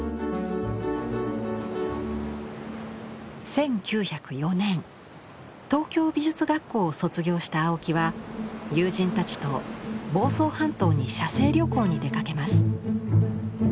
１９０４年東京美術学校を卒業した青木は友人たちと房総半島に写生旅行に出かけます。